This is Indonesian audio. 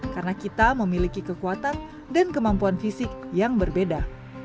karena kita memiliki kekuatan dan kemampuan fisik yang berbeda